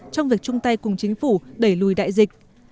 trong việc chung tay cùng chính phủ đẩy lùi đại dịch